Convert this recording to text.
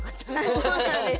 あそうなんです。